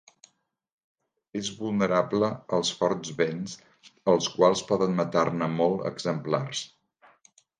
És vulnerable als forts vents, els quals poden matar-ne molt exemplars.